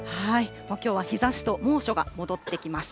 きょうは日ざしと猛暑が戻ってきます。